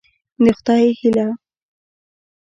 د خدای هيله